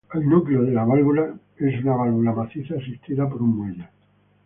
El núcleo de la válvula es una válvula maciza asistida por un muelle.